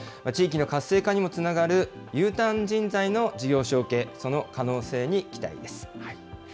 地域の活性化にもつながるＵターン人材の事業承継、その可能性に期待です。